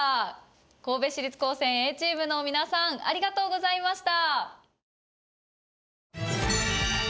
神戸市立高専Ａチームの皆さんありがとうございました。